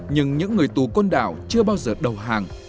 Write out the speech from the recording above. nhưng những người tù côn đảo chưa bao giờ đầu hàng